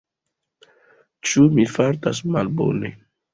Ĉu mi fartas malbone?